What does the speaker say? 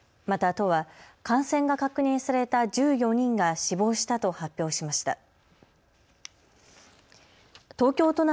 また都は感染が確認された１４人が死亡したと発表しました。